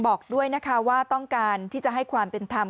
บอกด้วยนะคะว่าต้องการที่จะให้ความเป็นธรรม